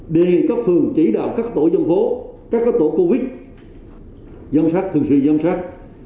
đề nghị các phường chỉ đạo các tổ dân phố các tổ covid dân sát thường sư dân sát